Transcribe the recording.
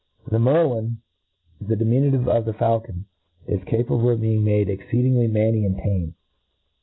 The merlina the diminutive of the faulcon, is capable of b? ing made exceedingly manny and tame.